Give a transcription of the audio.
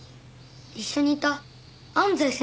一緒にいた安西先生と。